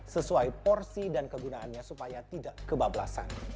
sesuai porsi dan kegunaannya supaya tidak kebablasan